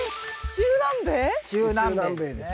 中南米です